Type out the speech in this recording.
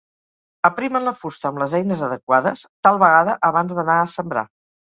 Aprimen la fusta amb les eines adequades, tal vegada abans d'anar a sembrar.